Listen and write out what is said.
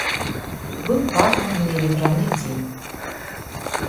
Быў пахмурны і ветраны дзень.